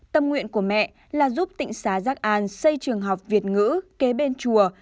tâm nguyện của mẹ là giúp tỉnh xá giác an xây trường học việt ngữ kế bên chùa